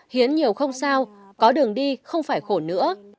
hiến nhiều không sao có đường đi không phải khổ nữa